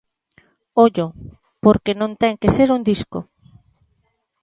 Ollo, porque non ten que ser un disco.